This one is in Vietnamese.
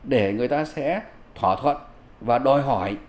để người ta sẽ thỏa thuận và đòi hỏi